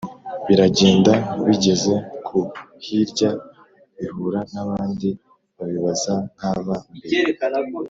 biragenda, bigeze ku hirya bihura n’abandi babibaza nk’aba mbere;